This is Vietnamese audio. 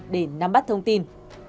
để nắm bắt thông tin